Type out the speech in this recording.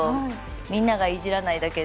みんながいじらないだけで。